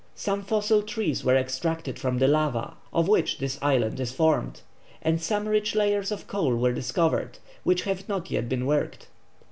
Some fossil trees were extracted from the lava of which this island is formed, and some rich layers of coal were discovered, which have not yet been worked.